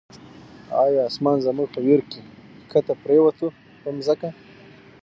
یا آسمان زموږ په ویر کی، ښکته پر یووته په ځمکه